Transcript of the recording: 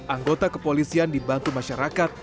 anggota kepolisian dibantu masyarakat